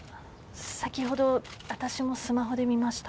先ほど私もスマホで見ました。